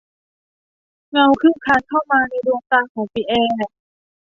เงาคลืบคลานเข้ามาในดวงตาของปิแอร์